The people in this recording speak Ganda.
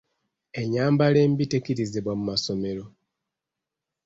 Ennyambala embi tekkirizibwa mu masomero.